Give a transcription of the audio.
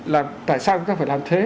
là tại sao chúng ta phải làm thế